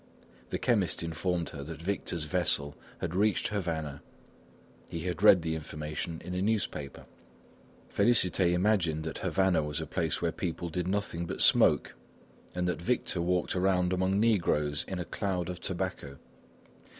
The chemist informed her that Victor's vessel had reached Havana. He had read the information in a newspaper. Félicité imagined that Havana was a place where people did nothing but smoke, and that Victor walked around among negroes in a cloud of tobacco.